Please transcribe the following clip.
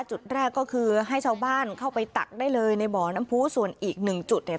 จุดแรกก็คือให้ชาวบ้านเข้าไปตักได้เลยในบ่อน้ำพูส่วนอีกหนึ่งจุดเนี่ย